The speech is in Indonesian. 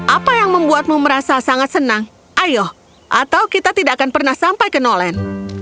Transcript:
apa yang membuatmu merasa sangat senang ayo atau kita tidak akan pernah sampai ke nolen